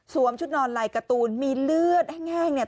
สวมชุดนอนไลก์กระตูลมีเลือดแห้งเนี่ย